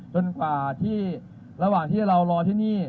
กว่าที่ระหว่างที่เรารอที่นี่